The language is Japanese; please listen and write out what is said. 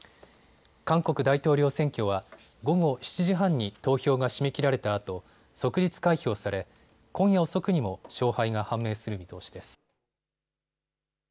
韓国大統領選挙は午後７時半に投票が締め切られたあと即日開票され、今夜遅くにも勝敗が判明する見通しです。